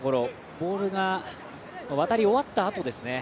ボールが渡り終わったあとですね。